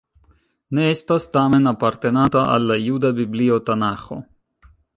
Ne estas, tamen, apartenanta al la juda Biblio Tanaĥo.